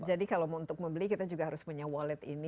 jadi kalau untuk membeli kita juga harus punya wallet ini